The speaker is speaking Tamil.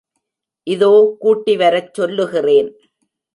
இதோ கூட்டிவரச் சொல்லுகிறேன்.